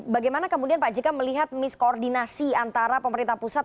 bagaimana kemudian pak jk melihat miskoordinasi antara pemerintah pusat